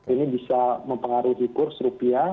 ini bisa mempengaruhi kurs rupiah